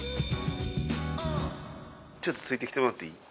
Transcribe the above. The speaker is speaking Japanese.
ちょっとついてきてもらっていい？